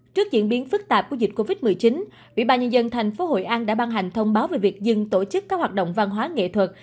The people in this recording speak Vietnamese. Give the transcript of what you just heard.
trước diễn biến phức tạp của dịch covid một mươi chín vĩ bà nhân dân thành phố hội an đã ban hành thông báo về việc dừng tổ chức các hoạt động văn hóa nghệ thuật